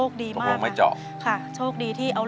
เปลี่ยนเพลงเพลงเก่งของคุณและข้ามผิดได้๑คำ